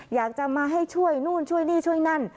อยากจะมาให้ช่วยนู่นช่วยนี่ช่วยนั่น